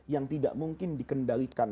yang tidak mungkin dikendalikan